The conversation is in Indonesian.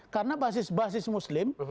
karena basis basis muslim